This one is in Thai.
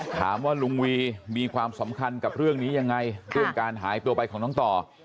ถามว่าลุงวีมีความสำคัญกับเรื่องนี้ยังไงเรื่องการหายตัวไปของน้องต่อ